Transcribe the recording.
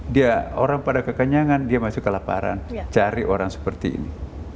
dia orang pada kekenyangan dia masih kelaparan cari orang seperti ini